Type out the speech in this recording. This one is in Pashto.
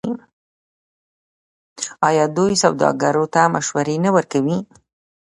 آیا دوی سوداګرو ته مشورې نه ورکوي؟